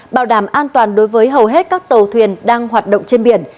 bảo đảm an toàn đối với hầu hết các tàu thuyền đang hoạt động trên biển